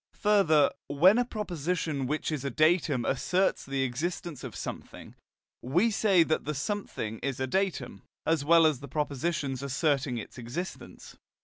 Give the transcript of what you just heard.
Further, when a proposition which is a datum asserts the existence of something, we say that the something is a datum, as well as the proposition asserting its existence.